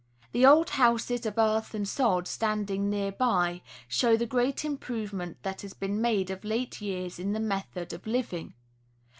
The old houses of earth and sod standing near by show the great improvement that has been made of late years in the method of living.